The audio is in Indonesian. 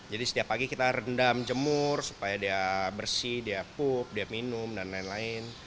setiap pagi kita rendam jemur supaya dia bersih dia pup dia minum dan lain lain